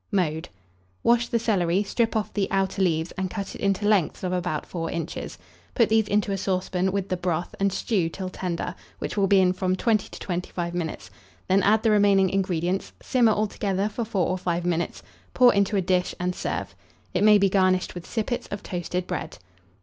Mode. Wash the celery, strip off the outer leaves, and cut it into lengths of about 4 inches. Put these into a saucepan, with the broth, and stew till tender, which will be in from 20 to 25 minutes; then add the remaining ingredients, simmer altogether for 4 or 5 minutes, pour into a dish, and serve. It may be garnished with sippets of toasted bread.